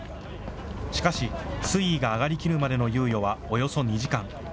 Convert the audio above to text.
しかし水位が上がりきるまでの猶予はおよそ２時間。